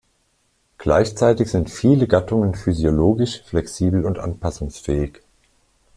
Gleichzeitig sind viele Gattungen physiologisch flexibel und anpassungsfähig.